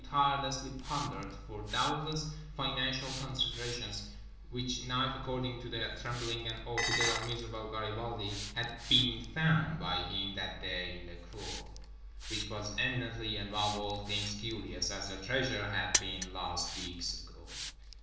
tirelessly pandered, for, doubtless, financial considerations—which knife according to the trembling and altogether miserable Garibaldi had "been found" by him that day in the cour; which was eminently and above all things curious, as the treasure had been lost weeks before.